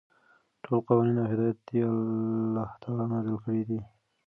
ټول قوانين او هدايات يي الله تعالى نازل كړي دي ،